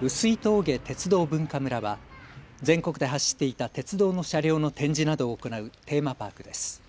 碓氷峠鉄道文化むらは全国で走っていた鉄道の車両の展示などを行うテーマパークです。